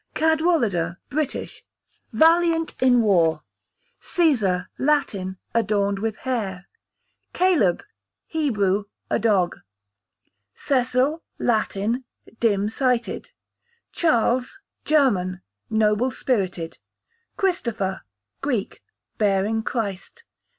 Cadwallader, British, valiant in war. Cæsar, Latin, adorned with hair. Caleb, Hebrew, a dog. Cecil, Latin, dim sighted. Charles, German, noble spirited. Christopher, Greek, bearing Christ.